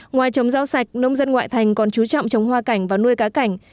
ngoài chống rau sạch nông dân ngoại thành còn chú trọng chống hoa cảnh và nuôi cá cảnh